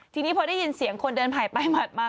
ทีนี้พอได้ยินเสียงคนเดินผ่านไปผ่านมา